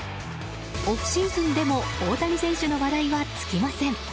オフシーズンでも大谷選手の話題は尽きません。